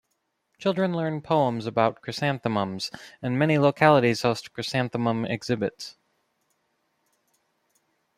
Children learn poems about chrysanthemums, and many localities host chrysanthemum exhibits.